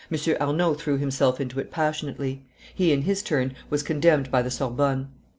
Arnauld threw himself into it passionately. He, in his turn, was condemned by the Sorbonne.